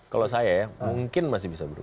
kalau saya ya mungkin masih bisa berubah